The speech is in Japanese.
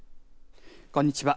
こんにちは。